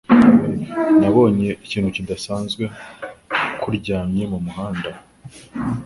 Nabonye ikintu kidasanzwe kuryamye mumuhanda.